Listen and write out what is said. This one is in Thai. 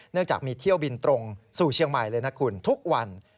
จากมีเที่ยวบินตรงสู่เชียงใหม่เลยนะคุณทุกวัน